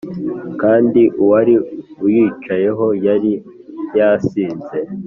kandi uwari uyicayeho yari yasinze